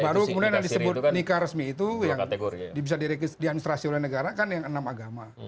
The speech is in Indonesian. baru kemudian yang disebut nikah resmi itu yang bisa diadministrasi oleh negara kan yang enam agama